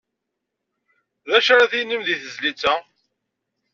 D acu ara tinimt di tezlit-a?